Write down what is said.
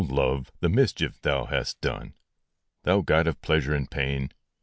LOVE ! the mischief thou hast done ! Thou god of pleasure and of pain